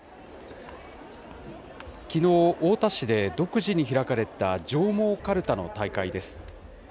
きのう、太田市で独自に開かれた上毛かるたの大会です。